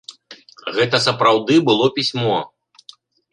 Гэта сапраўды было пісьмо.